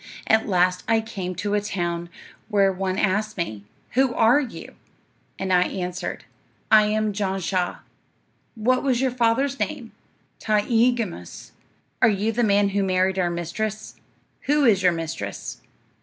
At last I came to a town where one asked me, "Who are you?" and I answered, "I am Jan Shah." "What was your father's name?" "Taaeeghamus." "Are you the man who married our mistress?" "Who is your mistress?"